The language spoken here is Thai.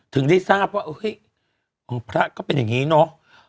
ถึงได้ทราบว่าเฮ้ยพระก็เป็นอย่างนี้เนาะ